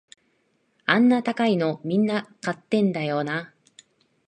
あんな高いのみんな買ってたんだよな